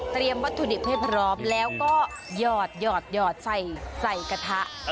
วัตถุดิบให้พร้อมแล้วก็หยอดใส่กระทะ